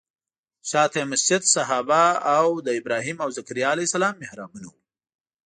شاته یې مسجد صحابه او د ابراهیم او ذکریا علیه السلام محرابونه وو.